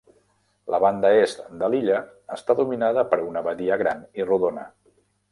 La banda est de l'illa està dominada per una badia gran i rodona.